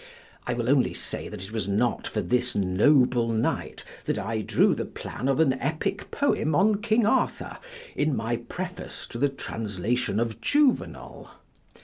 I will only say that it was not for this noble knight that I drew the plan of an epic poem on King Arthur, in my preface to the translation of Juvenal.